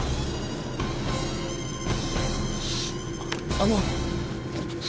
あの。